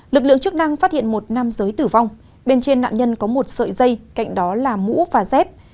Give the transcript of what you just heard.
lực lượng chức năng phát hiện một nam giới tử vong bên trên nạn nhân có một sợi dây cạnh đó là mũ và dép